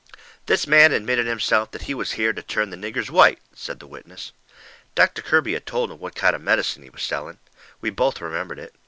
"This man admitted himself that he was here to turn the niggers white," said the witness. Doctor Kirby had told 'em what kind of medicine he was selling. We both remembered it.